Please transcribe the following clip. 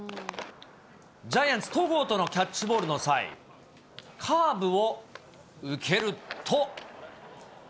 ジャイアンツ、戸郷とのキャッチボールの際、カーブを受けると。